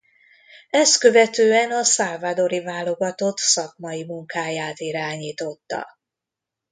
Ezt követően a salvadori válogatott szakmai munkáját irányította.